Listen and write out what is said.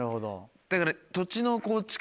だから。